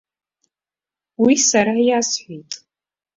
Уи сара иасҳәеит!